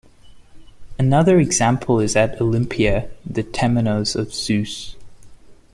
Another example is at Olympia, the temenos of Zeus.